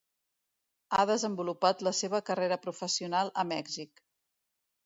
Ha desenvolupat la seva carrera professional a Mèxic.